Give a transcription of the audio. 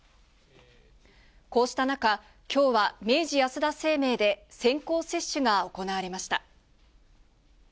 こうした中、きょうは明治安田生命で先行接種が行われました。